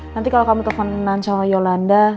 nanti kalau kamu telpon nanti sama yolanda